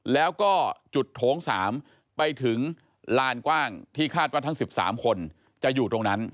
แล้วก็จุดโถง๓ไปถึงลานกว้างที่คาดว่าทั้ง๑๓คนจะอยู่ตรงนั้น